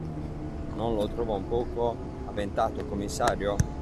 Non lo trova un poco avventato, commissario?